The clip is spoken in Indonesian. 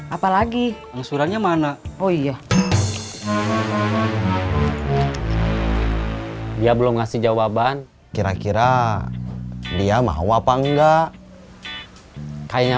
apalagi angsurannya mana oh iya dia belum ngasih jawaban kira kira dia mau apa enggak kayaknya